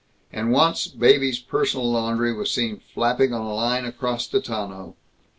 And once baby's personal laundry was seen flapping on a line across a tonneau!